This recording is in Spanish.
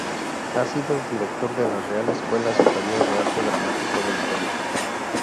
Ha sido director de la Real Escuela Superior de Arte Dramático de Madrid.